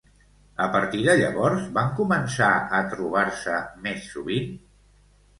A partir de llavors, van començar a trobar-se més sovint?